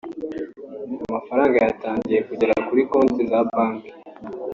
amafaranga yatangiye kugera kuri konti za banki